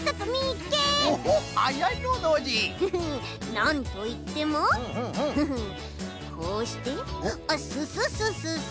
なんといってもフフッこうしてあっススススス。